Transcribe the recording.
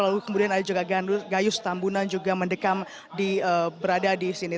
lalu kemudian ada juga gayus tambunan juga mendekam berada di sini